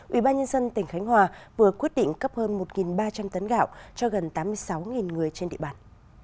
ubnd tỉnh khánh hòa vừa quyết định cấp hơn một ba trăm linh tấn gạo cho gần tám mươi sáu người trên địa bàn